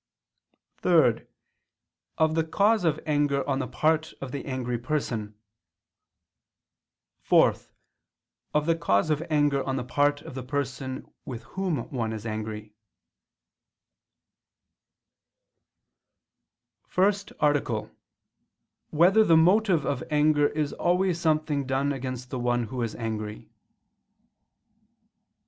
(3) Of the cause of anger on the part of the angry person; (4) Of the cause of anger on the part of the person with whom one is angry. ________________________ FIRST ARTICLE [I II, Q. 47, Art. 1] Whether the Motive of Anger Is Always Something Done Against the One Who Is Angry?